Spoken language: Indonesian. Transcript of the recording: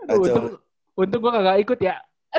bu untung gue gak ikut ya